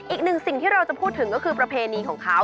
อีกหนึ่งสิ่งที่เราจะพูดถึงก็คือประเพณีของเขา